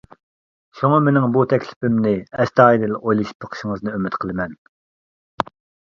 شۇڭا مېنىڭ بۇ تەكلىپىمنى ئەستايىدىل ئويلىشىپ بېقىشىڭىزنى ئۈمىد قىلىمەن.